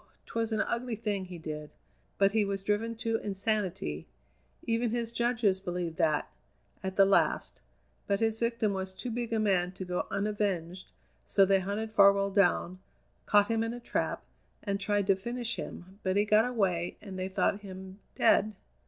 'twas an ugly thing he did; but he was driven to insanity even his judges believed that at the last; but his victim was too big a man to go unavenged, so they hunted Farwell down, caught him in a trap, and tried to finish him, but he got away and they thought him dead."